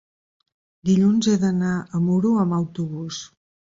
Dilluns he d'anar a Muro amb autobús.